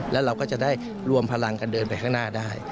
แล้วเราก็จะได้รวมพลังกันเดินไปข้างหน้าได้